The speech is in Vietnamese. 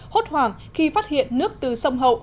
hốt hoảng khi phát hiện nước từ sông hậu